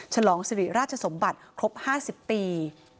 ฉลองสิริราชสมบัติครบ๕๐ปี